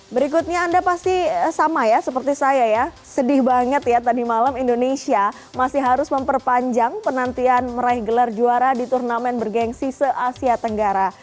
berikutnya anda pasti sama ya seperti saya ya sedih banget ya tadi malam indonesia masih harus memperpanjang penantian meraih gelar juara di turnamen bergensi se asia tenggara